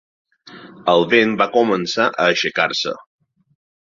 El vent va començar a aixecar-se.